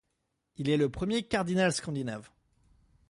Il est le premier cardinal scandinave.